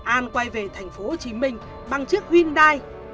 an quay về thành phố hồ chí minh bằng chiếc hyundai